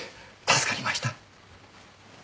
助かりました。